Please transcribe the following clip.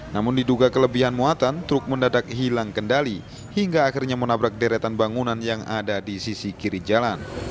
namun diduga kelebihan muatan truk mendadak hilang kendali hingga akhirnya menabrak deretan bangunan yang ada di sisi kiri jalan